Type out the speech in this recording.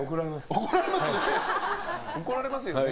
怒られますよね。